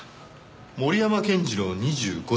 森山健次郎２５歳。